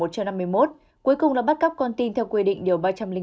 cuối cùng là bắt cóc con tin theo quy định điều ba trăm linh một